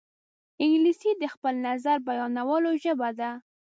انګلیسي د خپل نظر بیانولو ژبه ده